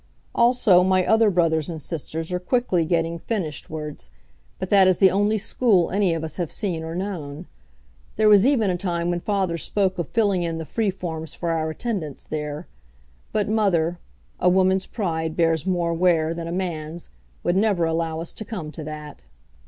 Also my other brothers and sisters are quickly getting finishedwards; but that is the only school any of us have seen or known. There was even a time when father spoke of filling in the free forms for our attendance there. But mother a woman's pride bears more wear than a man's would never allow us to come to that.